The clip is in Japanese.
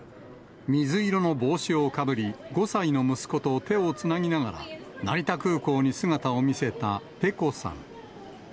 水色の帽子をかぶり、５歳の息子と手をつなぎながら、成田空港に姿を見せたペコさん。